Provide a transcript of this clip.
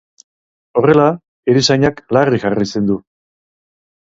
Horrela, erizainak larri jarraitzen du.